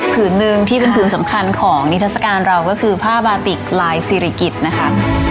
ผืนหนึ่งที่เป็นผืนสำคัญของนิทัศกาลเราก็คือผ้าบาติกลายศิริกิจนะคะ